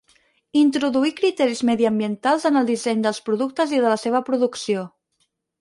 Introduir criteris mediambientals en el disseny dels productes i de la seva producció.